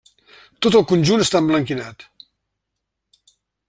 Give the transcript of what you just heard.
Tot el conjunt està emblanquinat.